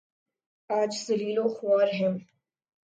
آج ذلیل وخوار ہیں۔